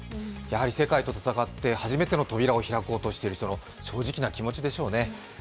やはり世界と戦って、初めての扉を開こうとしている正直な気持ちでしょうね。